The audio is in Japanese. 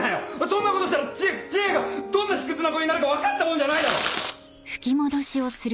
そんなことしたら知恵がどんな卑屈な子になるか分かったもんじゃないだろ！